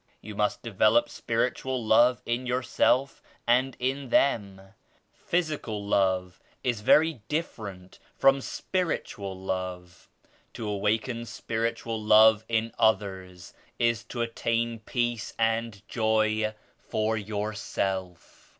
You must develop spiritual love in yourself and in them. Physical love is very diflferent from spiritual love. To awaken spiritual love in others is to attain peace and joy for yourself."